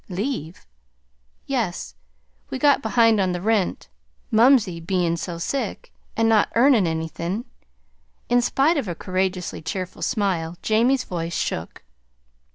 "Leave!" "Yes. We got behind on the rent mumsey bein' sick so, and not earnin' anythin'." In spite of a courageously cheerful smile, Jamie's voice shook.